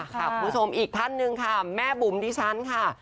คุณผู้ชมอีกท่านหนึ่งค่ะแม่บุ๋มดิฉันค่ะ